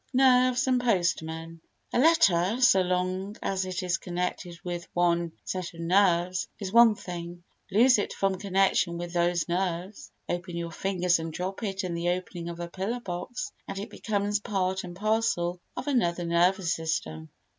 Nerves and Postmen A letter, so long as it is connected with one set of nerves, is one thing; loose it from connection with those nerves—open your fingers and drop it in the opening of a pillar box—and it becomes part and parcel of another nervous system.